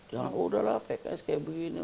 jangan oh udahlah pks kayak begini